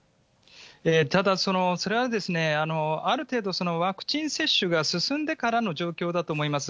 ただ、それは、ある程度、ワクチン接種が進んでからの状況だと思います。